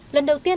lần đầu tiên